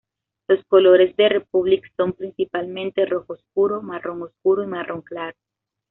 Los colores de Republic son principalmente rojo oscuro, marrón oscuro y marrón claro.